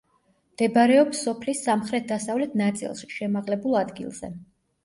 მდებარეობს სოფლის სამხრეთ-დასავლეთ ნაწილში, შემაღლებულ ადგილზე.